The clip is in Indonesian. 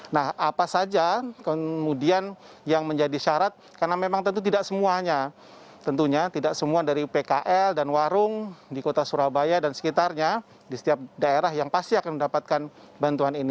nah apa saja kemudian yang menjadi syarat karena memang tentu tidak semuanya tentunya tidak semua dari pkl dan warung di kota surabaya dan sekitarnya di setiap daerah yang pasti akan mendapatkan bantuan ini